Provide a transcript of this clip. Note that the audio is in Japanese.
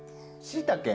しいたけ？